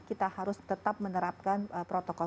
kita harus tetap menerapkan protokol